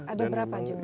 ada berapa jumlah